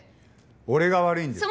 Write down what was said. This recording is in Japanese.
俺が悪いんです。